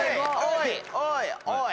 おいおい